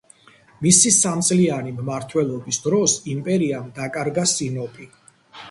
მისი სამწლიანი მმართველობის დროს იმპერიამ დაკარგა სინოპი.